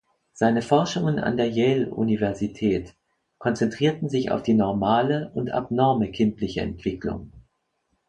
Seine Forschungen an der Yale-Universität konzentrierten sich auf die normale und abnorme kindliche Entwicklung.